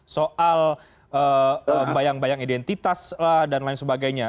soal bayang bayang identitas dan lain sebagainya